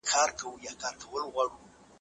د روغتون امنیت څنګه نیول کیږي؟